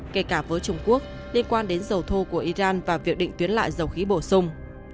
kể cả với trung quốc liên quan đến dầu thô của iran và việc định tuyến lại dầu khí bổ sung